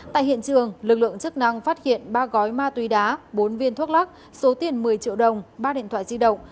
tại hiện trường lực lượng chức năng phát hiện ba gói ma túy đá bốn viên thuốc lắc số tiền một mươi triệu đồng ba điện thoại di động